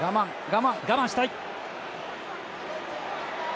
我慢したい。